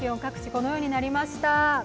このようになりました。